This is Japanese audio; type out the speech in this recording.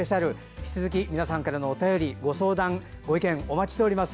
引き続き皆さんからのお悩み、お便り、ご相談お待ちしております。